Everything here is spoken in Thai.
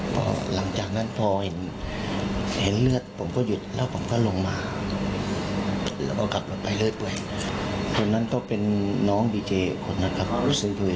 เพราะหลังจากนั้นพอเห็นเห็นเลือดผมก็หยุดแล้วผมก็ลงมาแล้วก็กลับมาไปเรื่อยเรื่อย